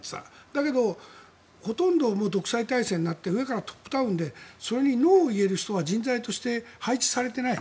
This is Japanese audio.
だけどほとんど独裁体制になって上からトップダウンでそれにノーと言える人は人材として配置されていない。